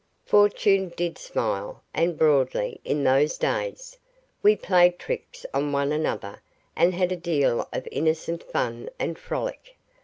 _ Fortune did smile, and broadly, in those days. We played tricks on one another, and had a deal of innocent fun and frolic.